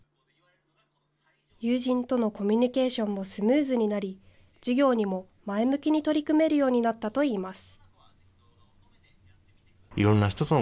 友人とのコミュニケーションもスムーズになり、授業にも前向きに取り組めるようになったといいます。